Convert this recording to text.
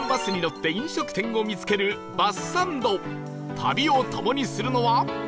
旅を共にするのは